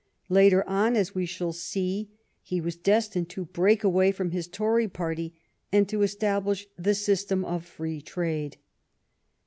Later on, as we shall see, he was destined to break away from his Tory party and to establish the system of free trade.